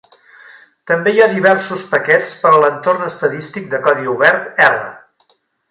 També hi ha diversos paquets per a l'entorn estadístic de codi obert R.